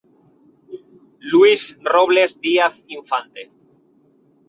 Luis Robles Díaz Infante.